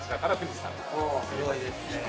◆すごいですね。